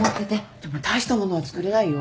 でも大した物は作れないよ。